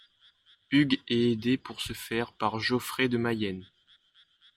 Hugues est aidé pour ce faire par Geoffrey de Mayenne.